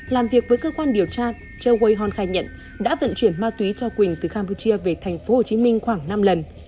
làm việc với cơ quan điều tra choe wei hon khai nhận đã vận chuyển ma túy cho quỳnh từ campuchia về thành phố hồ chí minh khoảng năm lần